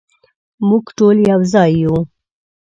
مونږ ټول یو ځای یو